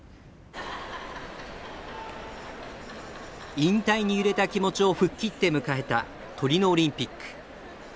引退に揺れた気持ちを吹っ切って迎えたトリノオリンピック。